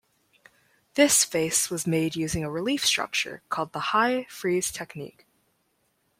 This vase was made using a relief structure called the high frieze technique.